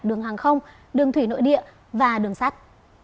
đường hàng không đường thủy nội địa và đường sắt